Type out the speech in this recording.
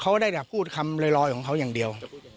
เขาได้แต่พูดคำลอยของเขาอย่างเดียว